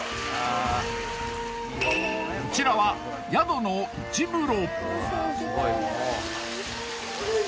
こちらは宿の内風呂。